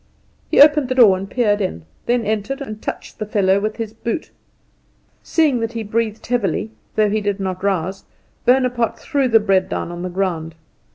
He opened the door and peered in; then entered, and touched the fellow with his boot. Seeing that he breathed heavily, though he did not rouse, Bonaparte threw the bread down on the ground.